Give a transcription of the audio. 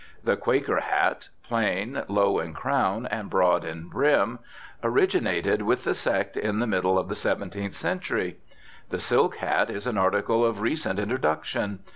The Quaker hat, plain, low in crown, and broad in brim, originated with the sect in the middle of the 17th century. The silk hat is an article of recent introduction.